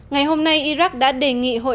ngày hôm nay iraq đã đề nghị hội đồng bảo an